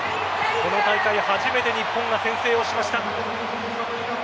この大会初めて日本が先制をしました。